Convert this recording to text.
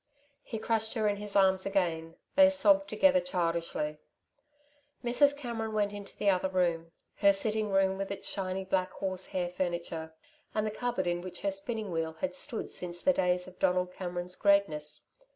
He crushed her in his arms again. They sobbed together childishly. Mrs. Cameron went into the other room her sitting room with its shiny black horse hair furniture, and the cupboard in which her spinning wheel had stood since the days of Donald Cameron's greatness.